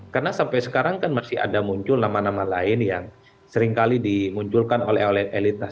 karena sampai sekarang kan masih ada muncul nama nama lain yang seringkali dimunculkan oleh elit